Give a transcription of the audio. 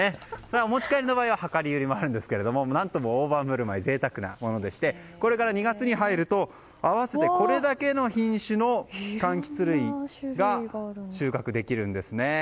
お持ち帰りの場合は量り売りもあるんですが何とも大盤振る舞い贅沢なものでしてこれから２月に入るとこれだけの品種のかんきつ類が収穫できるんですね。